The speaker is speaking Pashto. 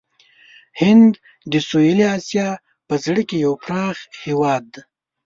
هند د سویلي آسیا په زړه کې یو پراخ هېواد دی.